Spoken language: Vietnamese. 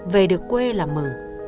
về được quê là mừng